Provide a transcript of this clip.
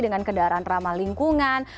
dengan kendaraan ramah lingkungan